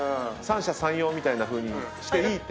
三者三様みたいなふうにして。